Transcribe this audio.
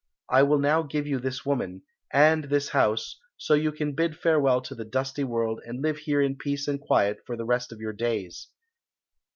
I will now give you this woman, and this house, so you can bid farewell to the dusty world and live here in peace and quiet for the rest of your days."